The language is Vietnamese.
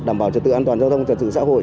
đảm bảo trật tự an toàn giao thông trật tự xã hội